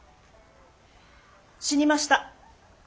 死にました。